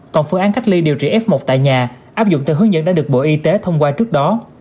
còn phương án cách ly điều trị f một tại nhà áp dụng theo hướng dẫn đã được bộ y tế thông qua trước đó